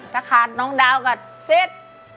ถ้าขาดน้องดาวก่อนซิด